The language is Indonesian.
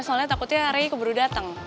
soalnya takutnya re keburu datang